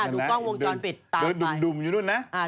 ดูกล้องวงจรปิดตามไป